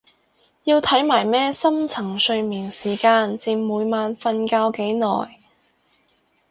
要睇埋咩深層睡眠時間佔每晚瞓覺幾耐？